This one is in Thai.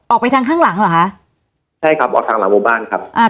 ออกไปทางข้างหลังเหรอคะใช่ครับออกทางหลังหมู่บ้านครับอ่า